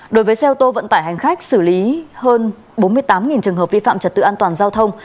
đối với xe ô tô vận tải hành khách xử lý hơn bốn mươi tám trường hợp vi phạm trật tự an toàn giao thông